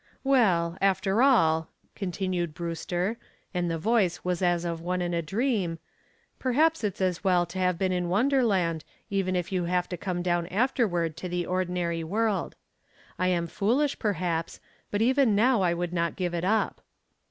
"Well, after all," continued Brewster, and the voice was as of one in a dream, "perhaps it's as well to have been in Wonderland even if you have to come down afterward to the ordinary world. I am foolish, perhaps, but even now I would not give it up."